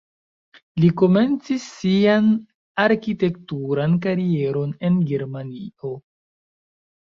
Li komencis sian arkitekturan karieron en Germanio.